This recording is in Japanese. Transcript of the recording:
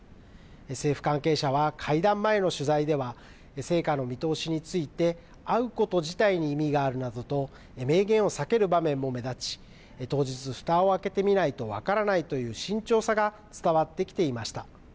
政府関係者は、会談前の取材では、成果の見通しについて、会うこと自体に意味があるなどと、明言を避ける場面も目立ち、当日、ふたを開けてみないと分からないという慎重さが伝わってきていました。